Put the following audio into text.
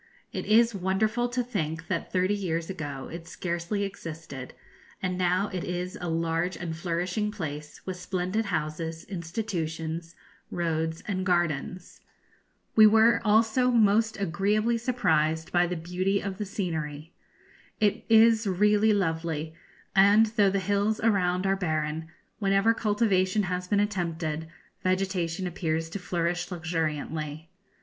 It is wonderful to think that thirty years ago it scarcely existed, and now it is a large and flourishing place, with splendid houses, institutions, roads, and gardens. We were also most agreeably surprised by the beauty of the scenery. It is really lovely, and, though the hills around are barren, wherever cultivation has been attempted, vegetation appears to flourish luxuriantly.